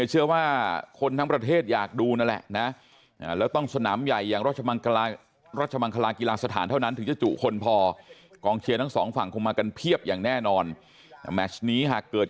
เชื่อว่าคนดูคนไทยน่าจะสนใจกับทั้งประเทศ